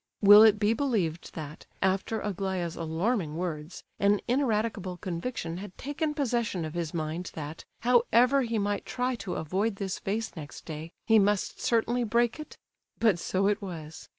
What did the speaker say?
Will it be believed that, after Aglaya's alarming words, an ineradicable conviction had taken possession of his mind that, however he might try to avoid this vase next day, he must certainly break it? But so it was.